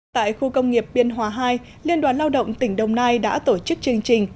tại khu công nghiệp biên hòa hai liên đoàn lao động tỉnh đồng nai đã tổ chức chương trình